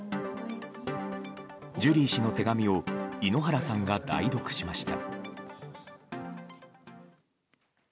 ジュリー氏の手紙を井ノ原さんが代読しました。